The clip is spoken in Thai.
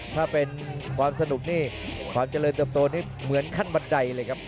ถ้าเป็นความสนุกนี่ความเจริญเติบโตนี่เหมือนขั้นบันไดเลยครับ